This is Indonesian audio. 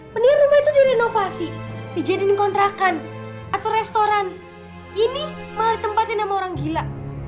mendingan rumah itu direnovasi dijadikan kontrakan atau restoran ini malah ditempatin sama orang gila